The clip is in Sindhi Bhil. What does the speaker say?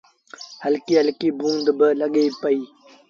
هلڪيٚ هلڪي بوند با لڳي پئيٚ